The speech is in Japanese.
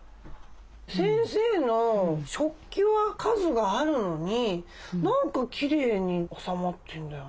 先生の食器は数があるのに何かきれいに収まってんだよな。